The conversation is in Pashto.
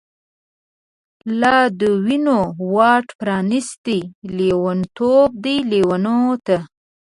لادوینو واټ پرانستی، لیونتوب دی لیونو ته